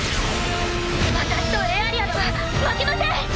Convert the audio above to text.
私とエアリアルは負けません！